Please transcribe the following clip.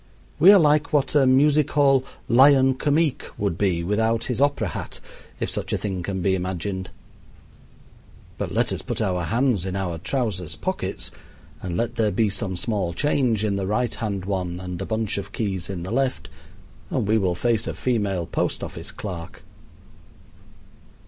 We are like what a music hall Lion Comique would be without his opera hat, if such a thing can be imagined. But let us put our hands in our trousers pockets, and let there be some small change in the right hand one and a bunch of keys in the left, and we will face a female post office clerk.